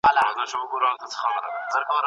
نه دې پټی خپل دی او نه یې اوبه تا ته رسي